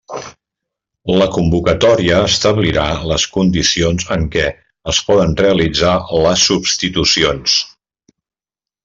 La convocatòria establirà les condicions en què es poden realitzar les substitucions.